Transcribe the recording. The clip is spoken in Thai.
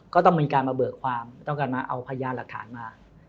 ก็ต้องมีการมาเบิกความต้องการมาเอาพยานหลักฐานมา